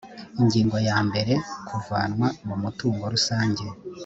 ingingo ya mbere kuvanwa mu mutungo rusange